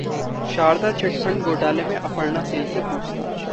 Sharda chit fund घोटाले में अपर्णा सेन से पूछताछ